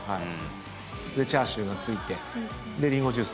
チャーシューが付いてでりんごジュース。